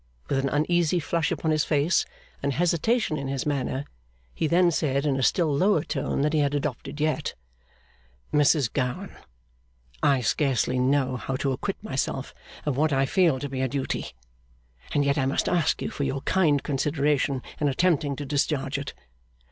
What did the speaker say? With an uneasy flush upon his face, and hesitation in his manner, he then said in a still lower tone than he had adopted yet: 'Mrs Gowan, I scarcely know how to acquit myself of what I feel to be a duty, and yet I must ask you for your kind consideration in attempting to discharge it.